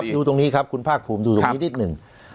ดูตรงนี้ครับคุณภาคภูมิดูตรงนี้นิดหนึ่ง